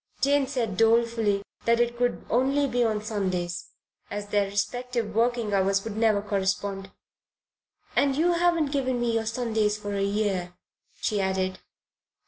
Jane said dolefully that it could only be on Sundays, as their respective working hours would never correspond "And you haven't given me your Sundays for a year," she added.